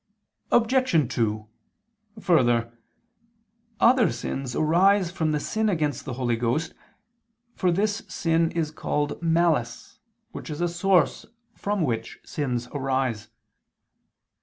Obj. 2: Further, other sins arise from the sin against the Holy Ghost, for this sin is called malice which is a source from which sins arise.